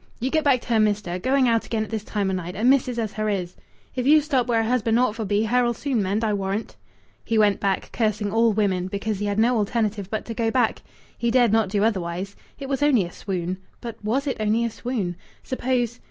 You get back to her, mester. Going out again at this time o' night, and missis as her is! If you stop where a husband ought for be, her'll soon mend, I warrant." He went back, cursing all women, because he had no alternative but to go back. He dared not do otherwise.... It was only a swoon. But was it only a swoon? Suppose